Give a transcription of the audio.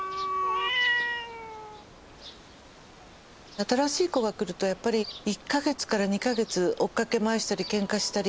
新しい子が来るとやっぱり１か月から２か月追っかけ回したりケンカしたり。